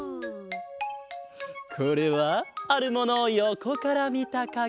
これはあるものをよこからみたかげだ。